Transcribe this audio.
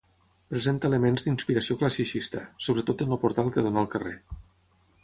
Presenta elements d'inspiració classicista, sobretot en el portal que dóna al carrer.